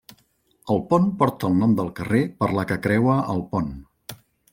El pont porta el nom del carrer per la que creua el pont.